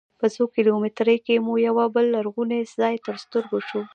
په څو کیلومترۍ کې مو یوه بل لرغونی ځاې تر سترګو سو.